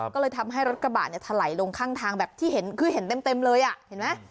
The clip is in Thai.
ก็เลยทำให้รถกระบะเนี่ยถลายลงข้างทางแบบที่เห็นคือเห็นเต็มเลยอ่ะเห็นไหม